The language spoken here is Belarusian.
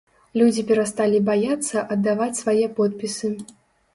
Людзі перасталі баяцца аддаваць свае подпісы.